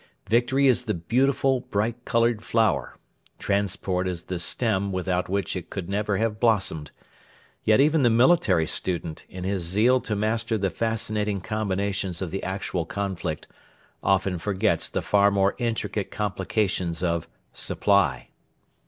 Victory is the beautiful, bright coloured flower. Transport is the stem without which it could never have blossomed. Yet even the military student, in his zeal to master the fascinating combinations of the actual conflict, often forgets the far more intricate complications of supply.